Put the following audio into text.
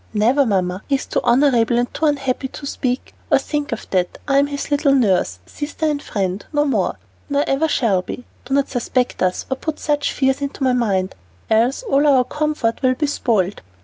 "Never, Mamma; he is too honorable and too unhappy to speak or think of that. I am his little nurse, sister, and friend, no more, nor ever shall be. Do not suspect us, or put such fears into my mind, else all our comfort will be spoiled."